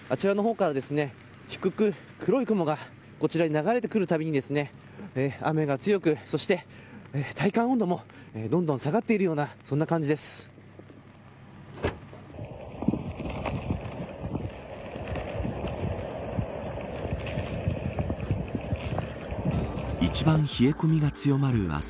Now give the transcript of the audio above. あちらの方から低く黒い雲がこちら流れてくるたびに雨が強くそして体感温度もどんどん下がっているような感じです。